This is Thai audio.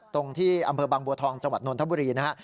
ตรงที่อำเภอบางบัวทองจังหวัดนทบุรีนะฮะ